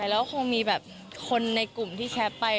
แล้วก็คงมีแบบคนในกลุ่มที่แคปไป